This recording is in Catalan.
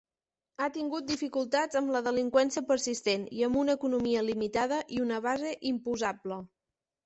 Ha tingut dificultats amb la delinqüència persistent, i amb una economia limitada i una base imposable.